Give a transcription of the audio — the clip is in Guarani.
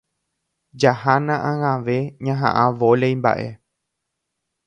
Jahána ag̃ave ñaha'ã vólei mba'e.